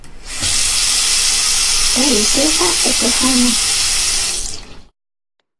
Relixiosa e profana.